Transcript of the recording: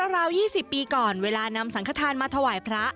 ราว๒๐ปีก่อนเวลานำสังขทานมาถวายพระ